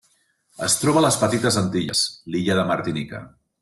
Es troba a les Petites Antilles: l'illa de Martinica.